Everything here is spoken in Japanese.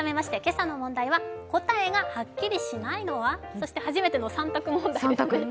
そして初めての３択問題ですね。